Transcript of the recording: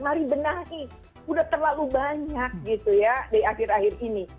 mari benahi udah terlalu banyak gitu ya di akhir akhir ini